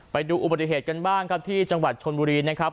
ไปดูอุบัติเหตุกันบ้างครับที่จังหวัดชนบุรีนะครับ